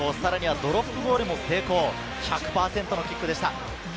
ドロップゴールも成功、１００％のキックでした。